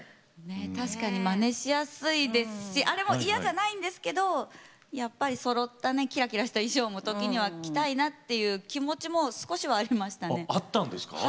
確かにマネしやすいですしあれも嫌じゃないんですけどやっぱり、そろったキラキラした衣装も時には着たいなという気持ちも少しはありましたね。